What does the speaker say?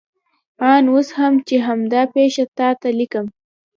آن اوس هم چې همدا پېښه تا ته لیکم.